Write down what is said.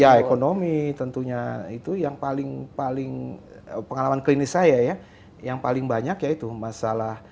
ya ekonomi tentunya itu yang paling paling pengalaman klinis saya ya yang paling banyak ya itu masalah